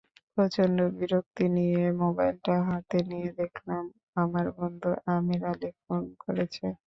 প্রচণ্ড বিরক্তি নিয়ে মোবাইলটা হাতে নিয়ে দেখলাম আমার বন্ধু আমির আলী ফোন করেছে।